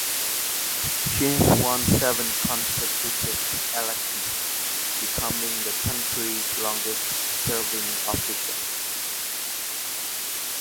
She has won seven consecutive elections, becoming the country's longest serving official.